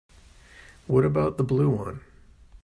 What about the blue one?